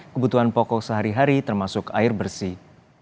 kebutuhan pokok sehari hari termasuk air bersih